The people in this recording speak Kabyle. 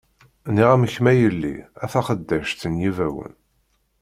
Nniɣ-am, kemm a yelli, a taxeddact n yibawen.